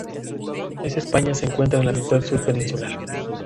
Es España se encuentra en la mitad sur peninsular.